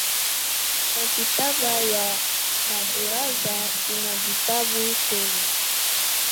Makitaba ya madirasa ina dhitabu tele